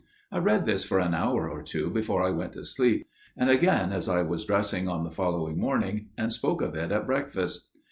I read this for an hour or two before I went to sleep, and again as I was dressing on the following morning, and spoke of it at breakfast.